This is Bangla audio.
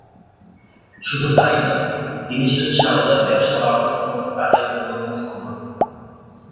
শুধু তা-ই নয়, তিনি ছিলেন সারদার ব্যবসা বাড়ানোসংক্রান্ত কাজের অন্যতম সংগঠক।